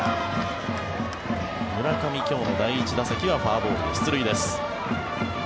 村上、今日の第１打席はフォアボールで出塁です。